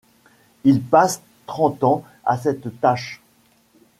Il passe trente ans à cette tâche.